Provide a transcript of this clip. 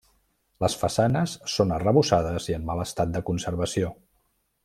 Les façanes són arrebossades i en mal estat de conservació.